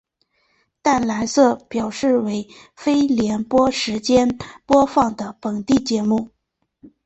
淡蓝色表示为非联播时间播放本地节目。